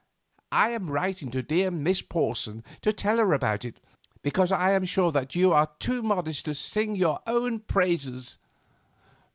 I am writing to dear Miss Porson to tell her about it, because I am sure that you are too modest to sing your own praises."